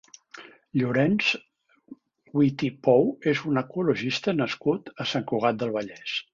Llorenç Witty Pou és un ecologista nascut a Sant Cugat del Vallès.